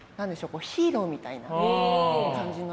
ヒーローみたいな感じの人で。